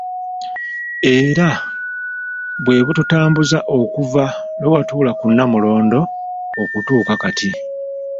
Era bwe bututaambuzza okuva lwe watuula ku Nnamulondo okutuuka kati.